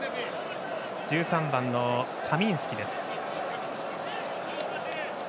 １３番のカミンスキです。